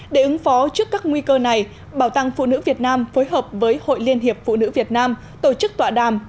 để ứng phó trước các nguy cơ này bảo tàng phụ nữ việt nam phối hợp với hội liên hiệp phụ nữ việt nam tổ chức tọa đàm